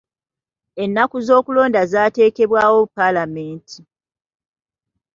Ennaku z'okulonda zaateekebwawo paalamenti.